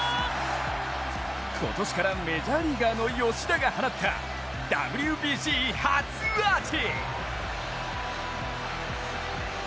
今年からメジャーリーガーの吉田が放ったＷＢＣ初アーチ。